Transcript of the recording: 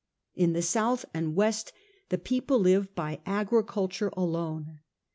In the south and west the people live by agriculture alone.